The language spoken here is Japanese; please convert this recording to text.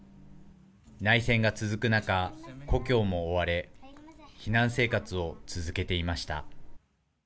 内戦が続く中、故郷も追われ、避難生活を続けていました。